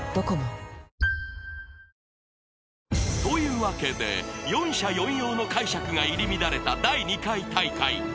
［というわけで四者四様の解釈が入り乱れた第２回大会］